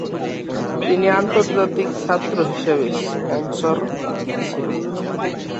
তিনি আন্তর্জাতিক ছাত্র হিসাবে স্পনসর ছিল।